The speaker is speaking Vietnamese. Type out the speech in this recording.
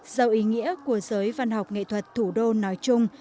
giàu ý nghĩa của giới văn học nghệ thuật thủ đô nói chung